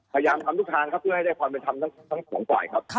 พยายามทำทุกทางครับเพื่อให้ได้ความเป็นธรรมทั้งสองฝ่ายครับ